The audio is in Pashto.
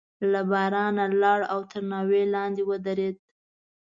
له بارانه لاړ او تر ناوې لاندې ودرېد.